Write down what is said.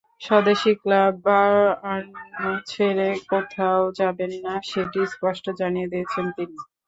স্বদেশি club Bayern ছেড়ে কোথাও যাবেন না, সেটি স্পষ্ট জানিয়ে দিয়েছেন তিনি।